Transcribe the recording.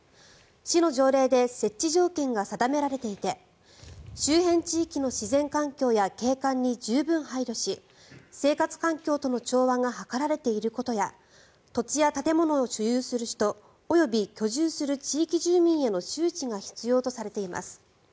市の条例で設置条件が定められていて周辺地域の自然環境や景観に十分配慮し生活環境との調和が図られていることや土地や建物を所有する人及び、居住する地域住民への周知が必要とされています。